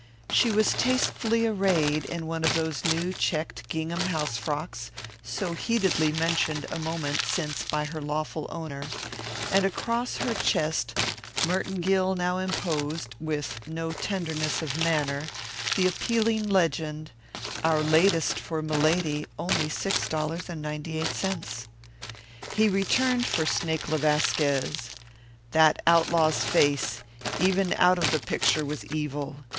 She was tastefully arrayed in one of those new checked gingham house frocks so heatedly mentioned a moment since by her lawful owner, and across her chest Merton Gill now imposed, with no tenderness of manner, the appealing legend, "Our Latest for Milady; only $6.98." He returned for Snake le Vasquez. That outlaw's face, even out of the picture, was evil.